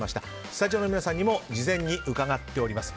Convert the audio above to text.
スタジオの皆さんにも事前に伺っております。